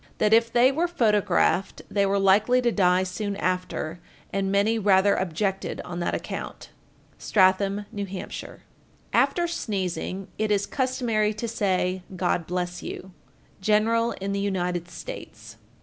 that if they were photographed they were likely to die soon after, and many rather objected on that account. Stratham, N.H. 1416. After sneezing, it is customary to say, "God bless you." _General in the United States.